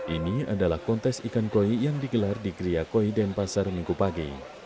ini adalah kontes ikan koi yang digelar di gria koi denpasar minggu pagi